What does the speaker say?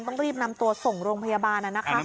ต้องรีบนำตัวส่งโรงพยาบาล